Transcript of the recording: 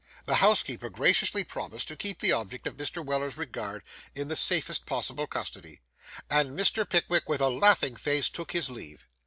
The housekeeper graciously promised to keep the object of Mr. Weller's regard in the safest possible custody, and Mr. Pickwick, with a laughing face, took his leave.